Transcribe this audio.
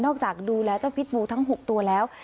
จากดูแลเจ้าพิษบูทั้ง๖ตัวแล้ว